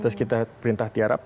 terus kita perintah tiarap